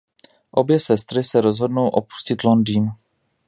Obě sestry se rozhodnou opustit Londýn.